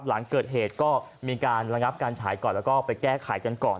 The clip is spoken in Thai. หลังเกิดเหตุก็มีการระงับการฉายก่อนแล้วก็ไปแก้ไขกันก่อน